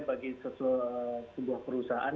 bagi sebuah perusahaan